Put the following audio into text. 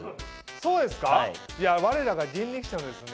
そうですかわれらが人力舎のですね